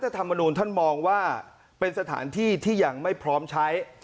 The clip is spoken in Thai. ธรรมนูลท่านมองว่าเป็นสถานที่ที่ยังไม่พร้อมใช้